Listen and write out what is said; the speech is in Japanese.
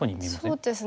そうですね。